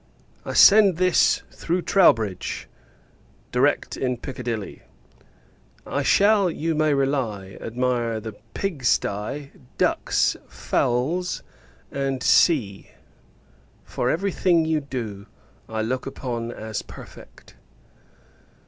I send this, through Troubridge, direct in Piccadilly. I shall, you may rely, admire the pig stye, ducks, fowls, &c. for every thing you do, I look upon as perfect.